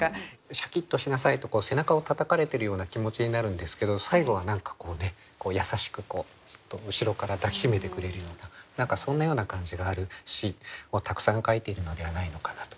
シャキッとしなさいと背中をたたかれているような気持ちになるんですけど最後は何かこうね優しくそっと後ろから抱き締めてくれるような何かそんなような感じがある詩をたくさん書いているのではないのかなと。